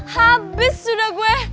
habis sudah gua